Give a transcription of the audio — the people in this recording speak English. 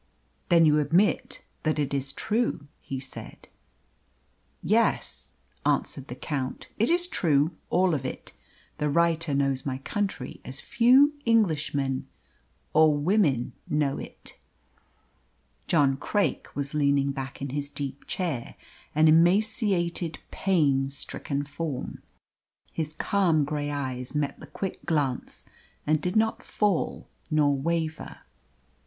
"Then you admit that it is true," he said. "Yes," answered the Count; "it is true all of it. The writer knows my country as few Englishmen or WOMEN know it." John Craik was leaning back in his deep chair an emaciated, pain stricken form. His calm grey eyes met the quick glance, and did not fall nor waver.